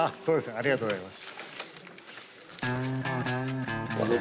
ありがとうございます。